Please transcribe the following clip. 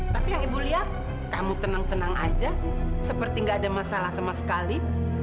tapi yang ibu lihat kamu tenang tenang aja seperti nggak ada masalah sama sekali